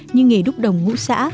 như nghề đúc đồng ngũ xã